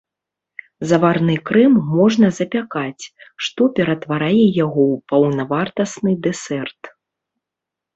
Заварны крэм можна запякаць, што ператварае яго ў паўнавартасны дэсерт.